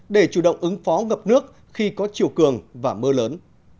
để chủ động ứng phó ngập nước khi có chiều cường và mưa lớn